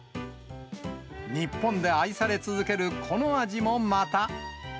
日本で愛され続けるこの味もまた。